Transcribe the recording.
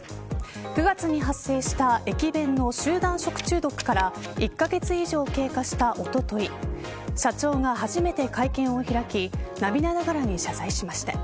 ９月に発生した駅弁の集団食中毒から１カ月以上経過したおととい社長が初めて会見を開き涙ながらに謝罪しました。